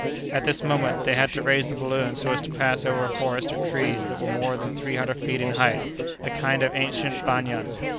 At this moment, they had to raise the balloon so as to pass over a forest of trees that were more than three hundred feet in height—a kind of ancient banyan.